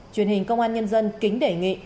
truyền hình công an nhân dân kính đề nghị